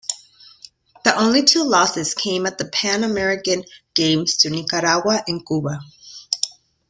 The only two losses came at the Pan American Games to Nicaragua and Cuba.